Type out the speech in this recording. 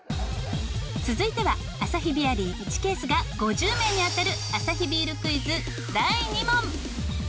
続いてはアサヒビアリー１ケースが５０名に当たるアサヒビールクイズ第２問。